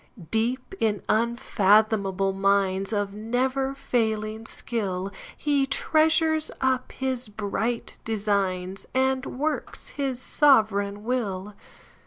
Deep in unfathomable minesOf never failing skill, He treasures up his bright designs, And works his sovereign will.